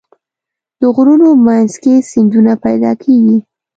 د غرونو منځ کې سیندونه پیدا کېږي.